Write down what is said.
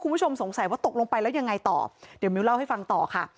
คุณผู้ชมสงสัยว่าตกลงไปแล้วยังไงต่อเดี๋ยวมิ้วเล่าให้ฟังต่อค่ะ